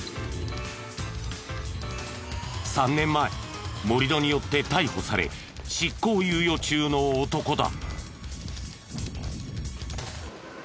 ３年前盛り土によって逮捕され執行猶予中の男だ。